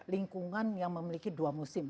lingkungan yang memiliki dua musim